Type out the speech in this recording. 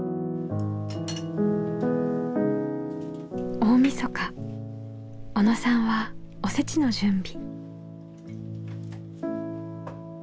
大みそか小野さんはおせちの準備。